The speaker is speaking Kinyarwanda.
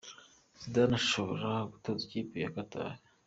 Zidane ashobora gutoza ikipe ya Qatar.